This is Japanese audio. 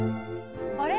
あれ？